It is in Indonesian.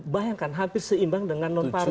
bayangkan hampir seimbang dengan nonparten